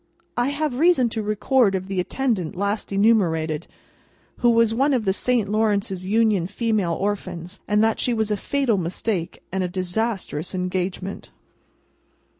I have reason to record of the attendant last enumerated, who was one of the Saint Lawrence's Union Female Orphans, that she was a fatal mistake and a disastrous engagement.